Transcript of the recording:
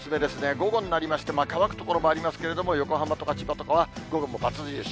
午後になりまして、乾く所もありますけれども、横浜とか千葉とかは、午後もばつ印。